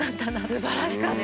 素晴らしかった。